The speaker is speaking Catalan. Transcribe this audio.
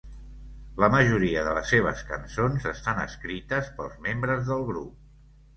La majoria de les seves cançons estan escrites pels membres del grup.